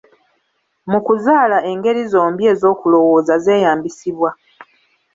Mu kuzaala engeri zombi ez'okulowooza zeyambisibwa.